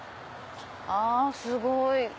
あすごい！